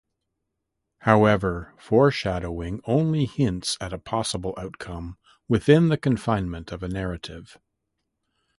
However, foreshadowing only hints at a possible outcome within the confinement of a narrative.